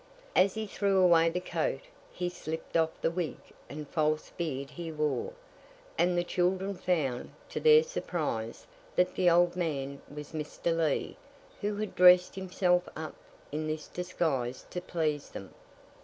As he threw away the coat, he slipped off the wig and false beard he wore; and the children found, to their surprise, that the old man was Mr. Lee, who had dressed himself up in this disguise to please them.